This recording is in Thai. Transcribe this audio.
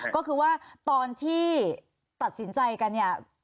ก็คือว่าตอนที่ตัดสินใจกันเนี่ย